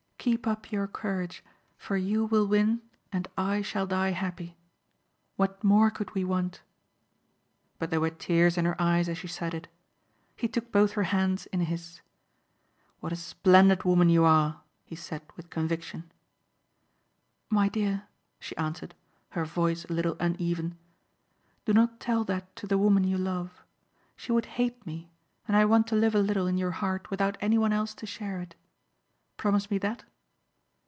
Keep up your courage for you will win and I shall die happy. What more could we want?" But there were tears in her eyes as she said it. He took both her hands in his. "What a splendid woman you are!" he said with conviction. "My dear," she answered, her voice a little uneven, "do not tell that to the woman you love. She would hate me and I want to live a little in your heart without anyone else to share it. Promise me that?"